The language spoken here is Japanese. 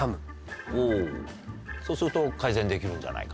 そうすると改善できるんじゃないか。